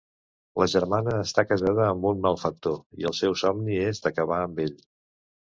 La germana està casada amb un malfactor i el seu somni és d'acabar amb ell.